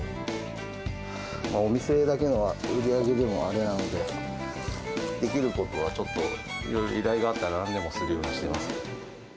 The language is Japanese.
お店だけの売り上げではあれなんで、できることは、ちょっと依頼があったら、なんでもするようにしてます。